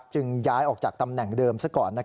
ย้ายออกจากตำแหน่งเดิมซะก่อน